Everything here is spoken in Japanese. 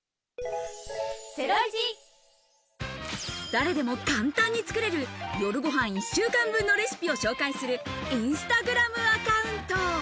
誰でも簡単に作れる夜ご飯１週間分のレシピを紹介する、インスタグラムアカウント。